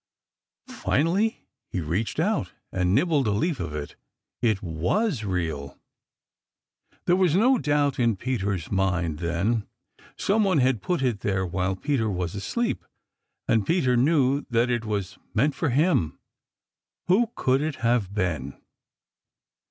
Finally he reached out and nibbled a leaf of it. It WAS real! There was no doubt in Peter's mind then. Some one had put it there while Peter was asleep, and Peter knew that it was meant for him. Who could it have been?